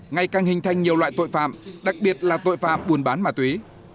ngày càng hình thành nhiều loại tội phạm đặc biệt là tội phạm buồn bán mà túy